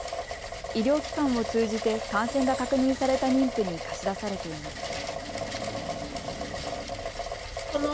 医療機関を通じて感染が確認された妊婦に貸し出されています。